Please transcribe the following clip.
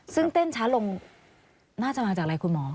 ซึ่งเต้นช้าลงน่าจะมาจากอะไรคุณหมอ